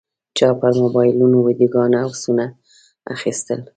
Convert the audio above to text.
چا پر موبایلونو ویډیوګانې او عکسونه اخیستل.